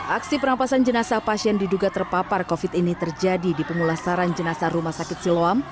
aksi perampasan jenazah pasien diduga terpapar covid ini terjadi di pengulasaran jenazah rumah sakit siloam